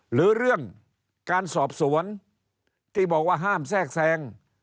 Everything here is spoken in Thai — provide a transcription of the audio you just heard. หรือเรื่องการสอบสวนที่บอกว่าห้ามแทรกแทรง